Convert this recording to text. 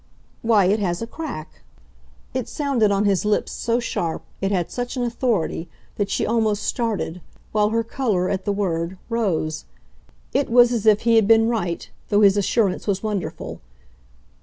"Why, it has a crack." It sounded, on his lips, so sharp, it had such an authority, that she almost started, while her colour, at the word, rose. It was as if he had been right, though his assurance was wonderful.